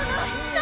何！？